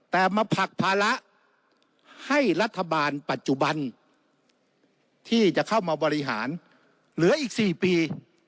แต่มาผลักภาระให้รัฐบาลปัจจุบันที่จะเข้ามาบริหารเหลืออีก๔ปี